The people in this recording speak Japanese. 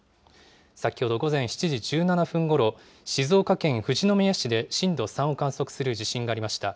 先ほど午前７時１７分ごろ、静岡県富士宮市で震度３を観測する地震がありました。